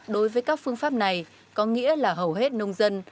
đối với các phương pháp này có nghĩa là hầu hết nông dân